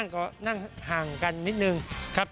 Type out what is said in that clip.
ก็นั่งห่างกันนิดนึงครับ